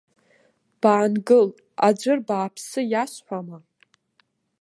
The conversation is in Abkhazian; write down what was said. Баангыл, аӡәыр бааԥсы иасҳәама?!